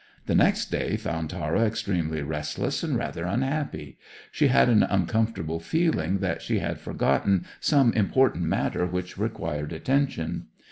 The next day found Tara extremely restless and rather unhappy. She had an uncomfortable feeling that she had forgotten some important matter which required attention.